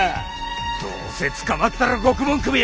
どうせ捕まったら獄門首よ！